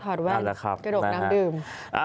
แว่นกระดกน้ำดื่ม